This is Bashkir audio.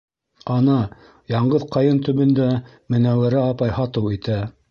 Ана, яңғыҙ ҡайын төбөндә Менәүәрә апай һатыу итә.